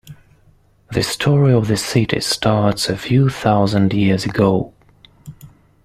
The story of the city starts a few thousand years ago.